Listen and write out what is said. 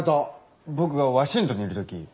僕がワシントンにいる時。